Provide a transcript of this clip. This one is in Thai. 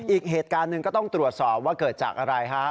อีกเหตุการณ์หนึ่งก็ต้องตรวจสอบว่าเกิดจากอะไรฮะ